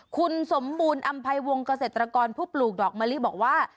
คุณสมบูรณ์อำภัยวงเกษตรกรผู้ปลูกดอกมะลิบอกว่า